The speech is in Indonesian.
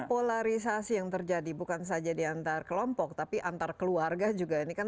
polarisasi yang terjadi bukan saja diantar kelompok tapi antar keluarga juga ini kan